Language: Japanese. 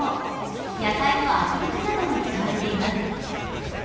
野菜のあく抜きなどに使われています。